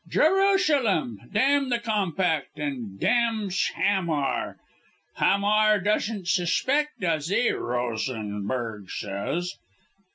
Jerushalem! Damn the Compact and damnsh Hamar!' 'Hamar doesn't shuspect, does he?' Rosenberg shays.